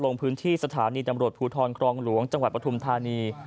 ลงพื้นที่สถานีตำรวจภูทรครองหลวงจังหวัดปฐุมธานี